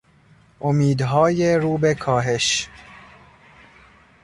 امیدهای رو به کاهش